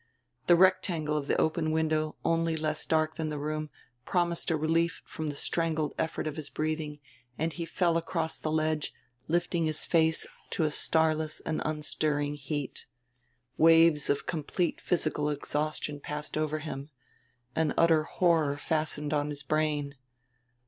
The rectangle of the open window, only less dark than the room, promised a relief from the strangled effort of his breathing, and he fell across the ledge, lifting his face to a starless and unstirring heat. Waves of complete physical exhaustion passed over him. An utter horror fastened on his brain.